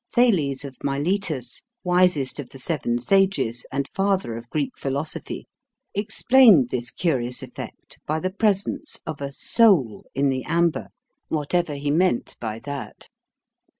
Thales of Miletus, wisest of the Seven Sages, and father of Greek philosophy, explained this curious effect by the presence of a "soul" in the amber, whatever he meant by that.